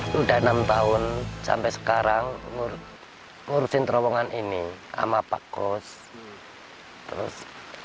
sudah enam tahun sampai sekarang ngurusin terowongan ini sama pak kos